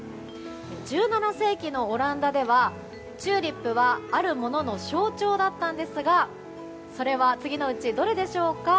１７世紀のオランダではチューリップはあるものの象徴だったんですがそれは次のうちどれでしょうか。